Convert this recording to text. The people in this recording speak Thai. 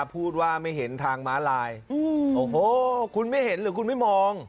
พูดว่าไม่เห็นทางม้าลายโอ้โหคุณไม่เห็นหรือคุณไม่มอง